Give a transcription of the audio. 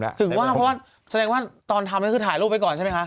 ถึงแต่ว่าท่านทำนั้นคือถ่ายรูปไว้ก่อนใช่ไหมคะ